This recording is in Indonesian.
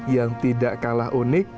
yang tidak kalah unik